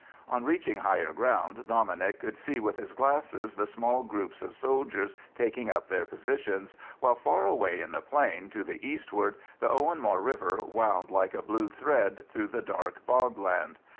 On reaching higher ground Dominic could see with his glasses the small groups of soldiers taking up their positions, while far away in the plain to the eastward the Owenmore river wound like a blue thread through the dark bogland.